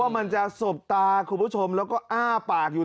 มันจะสบตาคุณผู้ชมแล้วก็อ้าปากอยู่